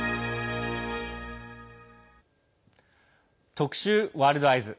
特集「ワールドＥＹＥＳ」。